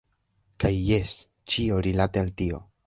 Kaj jes! Ĉio rilate al tio.